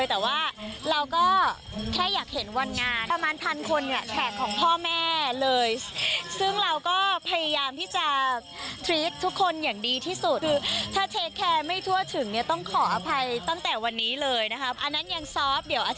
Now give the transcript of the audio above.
อันนั้นยังซอบเดี๋ยวอาทิตย์หน้าจะมีรถที่นับ